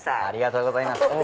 ありがとうございます。